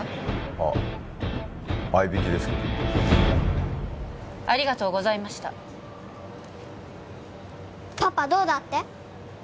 あ合いびきですけどありがとうございましたパパどうだって？